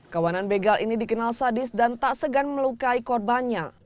kawanan begal ini dikenal sadis dan tak segan melukai korbannya